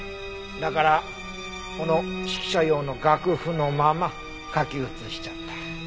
だからこの指揮者用の楽譜のまま書き写しちゃった。